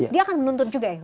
dia akan menuntut juga ya